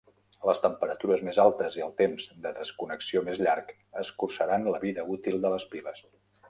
Les temperatures més altes i el temps de desconnexió més llarg escurçaran la vida útil de les piles.